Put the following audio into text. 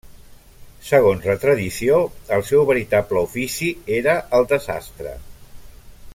Segons la tradició, el seu veritable ofici era el de sastre.